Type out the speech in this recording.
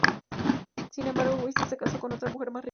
Sin embargo, Webster se casó con otra mujer más rica.